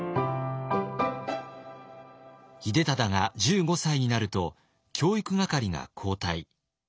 秀忠が１５歳になると教育係が交代。